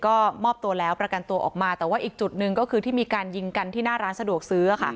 ก็มอบตัวแล้วประกันตัวออกมาแต่ว่าอีกจุดหนึ่งก็คือที่มีการยิงกันที่หน้าร้านสะดวกซื้อ